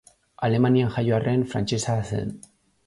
Alemanian jaio arren, frantsesa zen.